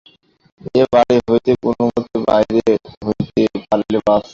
এ বাড়ি হইতে কোনোমতে বাহির হইতে পারিলে বাঁচি।